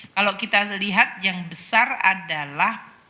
kalau kita lihat yang besar adalah